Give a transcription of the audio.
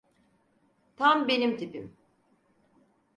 Tam benim tipim.